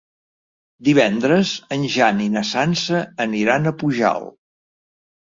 Divendres en Jan i na Sança aniran a Pujalt.